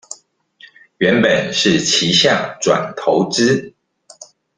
原本是旗下轉投資